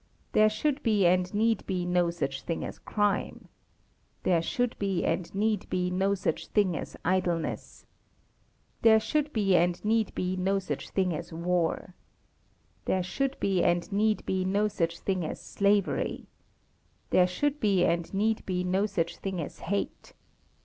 There should be and need be no such thing as crime. There should be and need be no such thing as idleness. There should be and need be no such thing as war. There should be and need be no such thing as slavery. There should be and need be no such thing as hate.